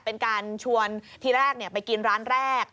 เป็นการชวนทีแรกไปกินร้านแรก